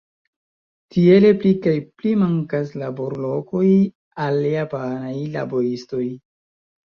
Tiele pli kaj pli mankas laborlokoj al japanaj laboristoj.